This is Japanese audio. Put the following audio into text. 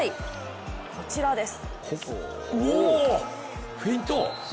こちらです。